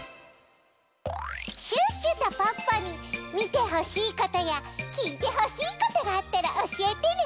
シュッシュとポッポにみてほしいことやきいてほしいことがあったらおしえてね！